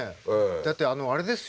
だってあのあれですよ。